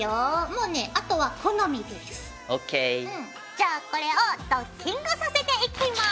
じゃあこれをドッキングさせていきます。